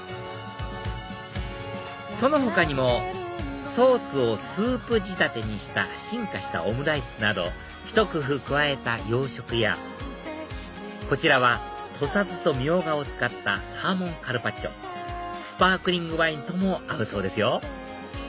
その他にもソースをスープ仕立てにした進化したオムライスなどひと工夫加えた洋食やこちらは土佐酢とミョウガを使ったサーモンカルパッチョスパークリングワインとも合うそうですよ